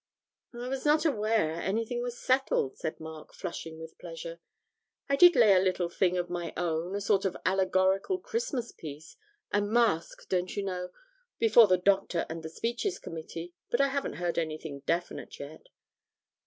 'I was not aware anything was settled,' said Mark, flushing with pleasure. 'I did lay a little thing of my own, a sort of allegorical Christmas piece a masque, don't you know before the Doctor and the Speeches Committee, but I haven't heard anything definite yet.'